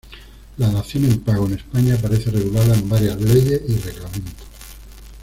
La dación en pago en España aparece regulada en varias leyes y reglamentos.